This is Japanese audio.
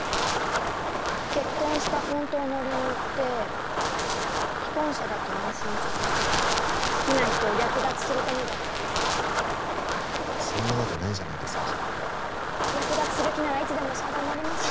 結婚した本当の理由って既婚者だと安心させて好きな人を略奪するためだったりしてそんなわけないじゃないですか略奪する気ならいつでも相談乗りますよ